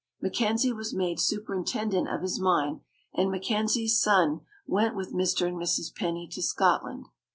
Mackenzie was made superintendent of his mine, and Mackenzie's son went with Mr. and Mrs. Penny to Scotland.